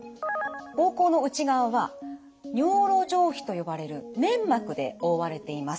膀胱の内側は尿路上皮と呼ばれる粘膜で覆われています。